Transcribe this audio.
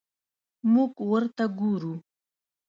موږ ورته ګورو.